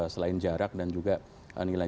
selain jarak dan juga nilai